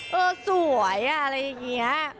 เออสวยอะไรอย่างนี้